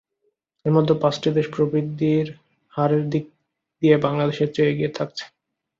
এদের মধ্যে পাঁচটি দেশ প্রবৃদ্ধির হারের দিক দিয়ে বাংলাদেশের চেয়ে এগিয়ে থাকছে।